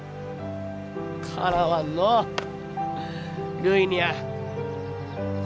かなわんのうるいにゃあ。